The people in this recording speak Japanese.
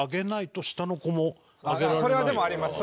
それはでもあります。